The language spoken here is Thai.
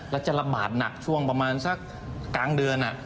แล้วจะระบาดหนักช่วงประมาณสักกลางเดือน